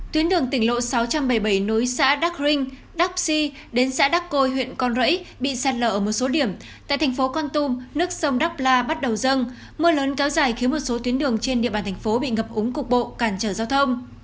tuyến đường tỉnh lộ sáu trăm bảy mươi bảy nối xã đắc rinh đắc xi đến xã đắc côi huyện con rẫy bị sạt lở ở một số điểm tại thành phố con tum nước sông đắk la bắt đầu dâng mưa lớn kéo dài khiến một số tuyến đường trên địa bàn thành phố bị ngập úng cục bộ cản trở giao thông